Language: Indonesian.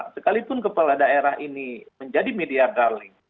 sekalipun kepala daerah ini menjadi media darling